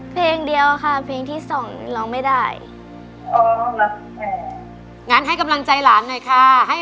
เพลงเดียวค่ะเพลงที่สองร้องไม่ได้